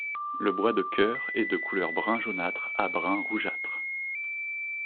Le bois de cœur est de couleur brun jaunâtre à brun rougeâtre.